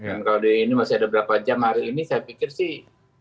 dan kalau di sini masih ada berapa jam hari ini saya pikir sih